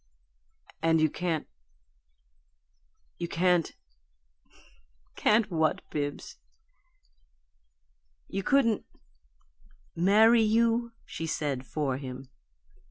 "And you can't you can't " "Can't what, Bibbs?" "You couldn't " "Marry you?" she said for him.